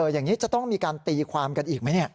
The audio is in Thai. อย่างนี้จะต้องมีการตีความกันอีกไหม